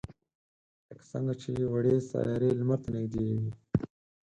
لکه څنگه چې وړې سیارې لمر ته نږدې وي.